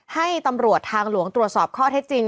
ให้ตำรวจทางหลวงตรวจสอบข้อเท็จจริง